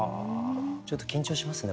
ちょっと緊張しますね